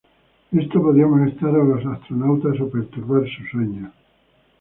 Esto podía molestar a los astronautas o perturbar su sueño.